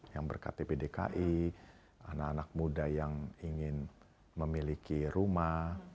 yang berktp dki anak anak muda yang ingin memiliki rumah